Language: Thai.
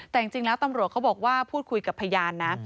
แต่จริงแล้วตำรวจเขาบอกว่าพูดคุยกับพยานนะ